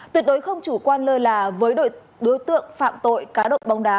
tuyệt đối không chủ quan lơ là với đối tượng phạm tội cá độ bóng đá